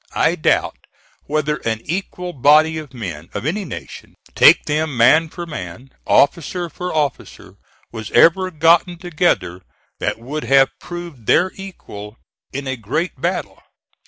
I doubt whether an equal body of men of any nation, take them man for man, officer for officer, was ever gotten together that would have proved their equal in a great battle.